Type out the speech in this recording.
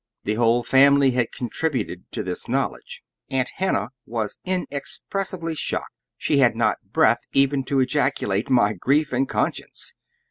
The whole family had contributed to this knowledge. Aunt Hannah was inexpressibly shocked; she had not breath even to ejaculate "My grief and conscience!"